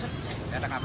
jadi gimana tangga banyak